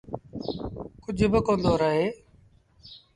ڪجھ با ڪوندو رهي۔